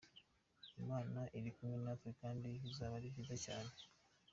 Imana irikumwe natwe kandi bizaba ari byiza cyane.